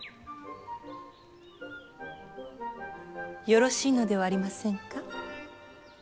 よろしいのではありませんか。